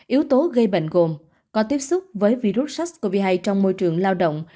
yếu tố gây bệnh gồm có tiếp xúc với virus sars cov hai trong môi trường lao động